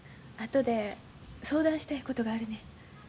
後で相談したいことがあるねん。